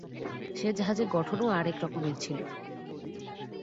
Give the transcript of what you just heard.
সে জাহাজের গঠনও আর একরকমের ছিল।